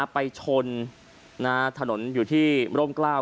ไปชนทางถนนอยู่ที่โรงกล้าว